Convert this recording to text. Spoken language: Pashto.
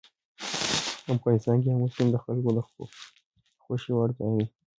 افغانستان کې آمو سیند د خلکو د خوښې وړ ځای دی.